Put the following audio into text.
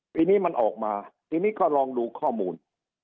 ปีนี้มันออกมาทีนี้ก็ลองดูข้อมูล